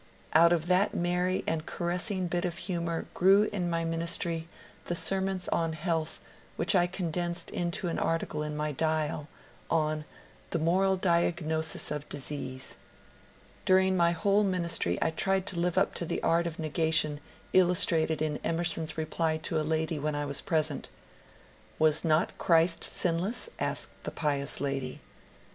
" Out of that merry and caressing bit of humour grew in my ministry the sermons on health which I condensed into an article in my ^* Dial," on *^ The Moral Diagnosis of Disease.*' During my whole min istry I tried to live up to the art of negation illustrated in Emerson's reply to a lady when I was present. " Was not Christ sinless?" asked the pious lady.